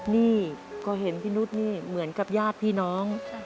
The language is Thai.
นี่ก็เห็นพี่นุษย์นี่เหมือนกับญาติพี่น้อง